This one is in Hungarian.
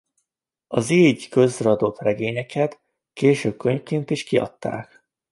Az így közreadott regényeket később könyvként is kiadták.